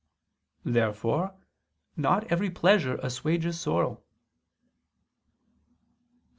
Therefore not every pleasure assuages sorrow. Obj.